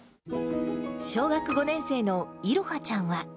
小学５年生のいろはちゃんは。